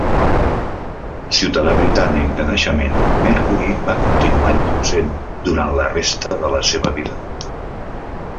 Ciutadà britànic de naixement, Mercury va continuant-ho sent durant la resta de la seva vida.